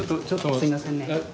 すいませんね。